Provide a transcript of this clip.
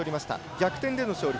逆転での勝利。